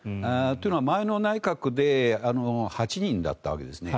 というのは前の内閣で８人だったわけですね。